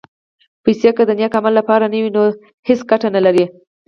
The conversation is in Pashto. پېسې که د نېک عمل لپاره نه وي، نو هېڅ ګټه نه لري.